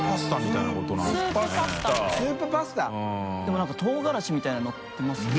何か唐辛子みたいなののってますよね。